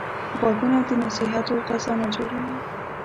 غوږونه د نصیحتو خزانه جوړوي